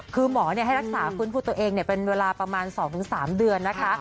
คือหมอให้รักษาฟื้นฟูตัวเองเป็นเวลาประมาณ๒๓เดือนนะคะ